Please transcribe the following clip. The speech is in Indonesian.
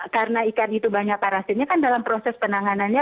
karena ikan itu banyak parasitnya kan dalam proses penanganannya